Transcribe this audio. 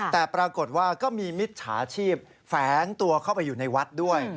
แต่ปรากฏว่าก็มีมิจฉาชีพแฝงตัวเข้าไปอยู่ในวัดด้วย